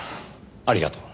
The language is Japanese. ありがとう。